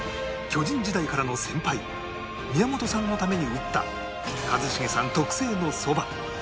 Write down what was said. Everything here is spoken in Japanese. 巨人時代からの先輩宮本さんのために打った一茂さん特製のそば